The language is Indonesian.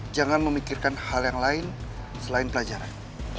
jangan memikirkan hal yang lain selain pelajaran